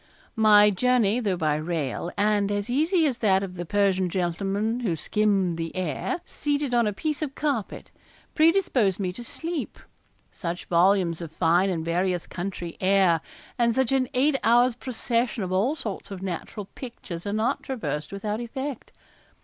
My journey, though by rail, and as easy as that of the Persian gentleman who skimmed the air, seated on a piece of carpet, predisposed me to sleep. Such volumes of fine and various country air, and such an eight hours' procession of all sorts of natural pictures are not traversed without effect.